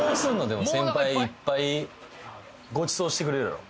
でも先輩いっぱいごちそうしてくれるやろ？